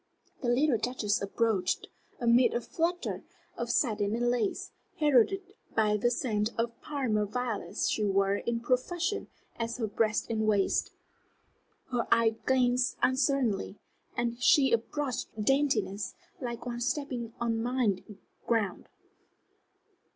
The little Duchess approached, amid a flutter of satin and lace, heralded by the scent of the Parma violets she wore in profusion at her breast and waist. Her eye glanced uncertainly, and she approached with daintiness, like one stepping on mined ground.